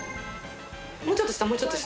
もうちょっと下もうちょっと下。